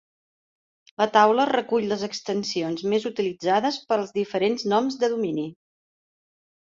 La taula recull les extensions més utilitzades per als diferents noms de domini.